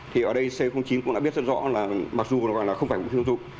thì ở đây c chín cũng đã biết rất rõ là mặc dù nó gọi là không phải vũ khí quân dụng